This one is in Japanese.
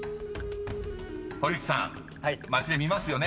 ［堀内さん街で見ますよね？］